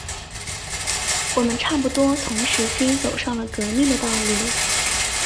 我们差不多同时期走上了革命的道路。